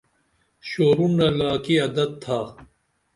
شورنڈہ لاکی ادت تھا